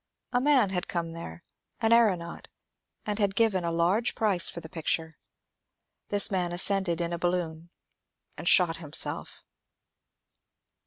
A man had come there — an aeronaut — and given a large price for the picture. This man ascended in a balloon and sJiot himself.